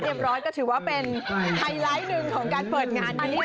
เรียบร้อยก็ถือว่าเป็นไฮไลท์หนึ่งของการเปิดงานนี้ค่ะ